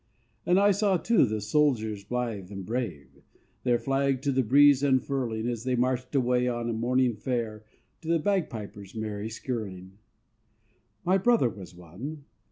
And I saw, too, the soldiers blithe and brave Their flag to the breeze unfurling, As they marched away on a morning fair To the bagpipes' merry skirling. My brother was one.